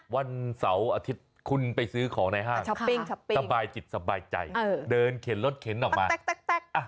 วันเสาร์อาทิตย์คุณไปซื้อของในห้างสบายจิตสบายใจเดินเข็นรถเข็นออกมาแต๊ก